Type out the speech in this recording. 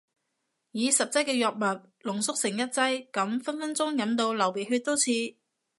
以十劑嘅藥物濃縮成一劑？咁分分鐘飲到流鼻血都似